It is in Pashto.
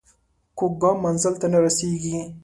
کوږ ګام منزل ته نه رسېږي